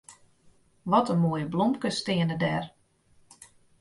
Wat in moaie blomkes steane dêr.